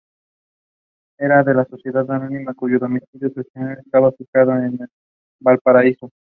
Era una sociedad anónima cuyo domicilio societario estaba fijado en Valparaíso.